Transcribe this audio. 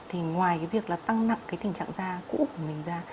thì ngoài việc tăng nặng tình trạng da cũ của mình da